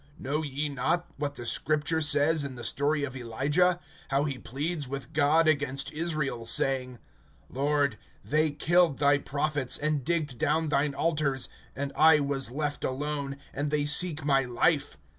Know ye not what the Scripture says in the story of Elijah; how he pleads with God against Israel, saying: (3)Lord they killed thy prophets, and digged down thine altars; and I was left alone, and they seek my life.